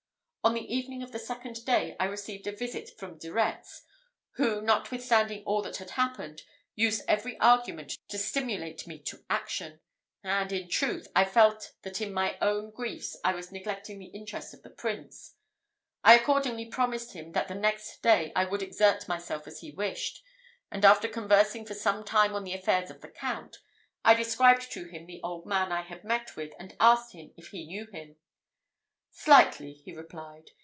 On the evening of the second day, I received a visit from De Retz, who, notwithstanding all that had happened, used every argument to stimulate me to action; and, in truth, I felt that in my own griefs I was neglecting the interest of the Prince. I accordingly promised him that the next day I would exert myself as he wished; and, after conversing for some time on the affairs of the Count, I described to him the old man I had met with, and asked him if he knew him. "Slightly," he replied.